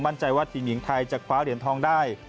บังเจอว่าที่ถึงถ่ายจากพาเหรียญทองได้